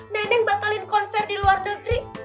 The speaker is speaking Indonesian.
neneng batalin konser diluar negeri